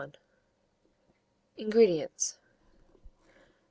INGREDIENTS.